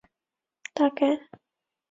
大概是来不及了